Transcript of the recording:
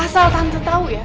asal tante tau ya